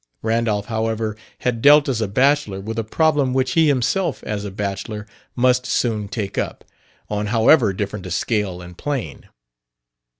Randolph, however, had dealt as a bachelor with a problem which he himself as a bachelor must soon take up, on however different a scale and plane.